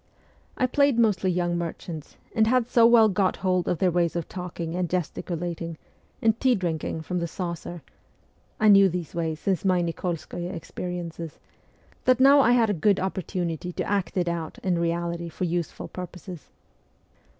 I played mostly young merchants, and had so well got hold of their ways of talking and gesticulating, and tea drinking from the saucer I knew these ways since my Nik61skoye experiences that now I had a good opportunity to act it all out in reality for useful purposes.